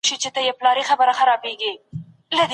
تخیل د نوښت بنسټ ایږدي.